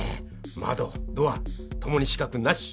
窓ドア共に死角なし。